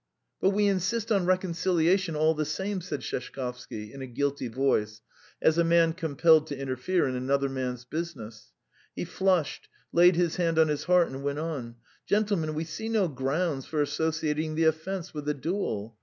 "But we insist on reconciliation all the same," said Sheshkovsky in a guilty voice, as a man compelled to interfere in another man's business; he flushed, laid his hand on his heart, and went on: "Gentlemen, we see no grounds for associating the offence with the duel.